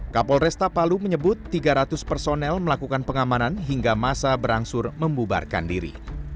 kapolresta palu menyebut tiga ratus personel melakukan pengamanan hingga masa berangsur membubarkan diri